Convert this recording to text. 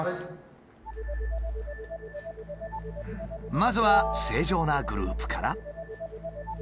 まずは正常なグループから。